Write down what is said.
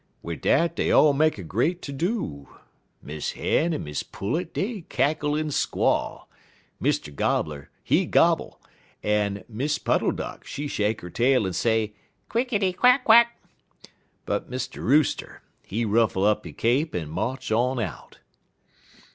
"Wid dat dey all make a great ter do. Miss Hen en Miss Pullet, dey cackle en squall, Mr. Gobbler, he gobble, en Miss Puddle Duck, she shake 'er tail en say, quickity quack quack. But Mr. Rooster, he ruffle up he cape, en march on out.